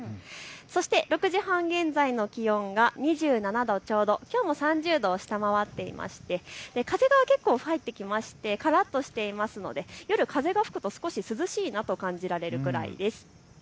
そして６時半現在の気温が２７度ちょうど、きょうも３０度を下回っていて風が結構入ってきてからっとしているので夜、風が吹くと少し涼しいなと感じられるくらいです。